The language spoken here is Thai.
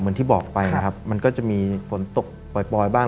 ที่บอกไปนะครับมันก็จะมีฝนตกปล่อยบ้าง